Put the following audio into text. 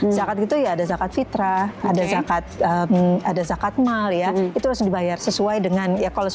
zakat gitu ya ada zakat fitrah ada zakat mal ya itu harus dibayar sesuai dengan ya kalau